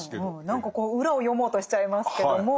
何かこう裏を読もうとしちゃいますけども。